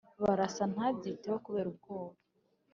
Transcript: Barasa ntabyiteho kubera ubwoba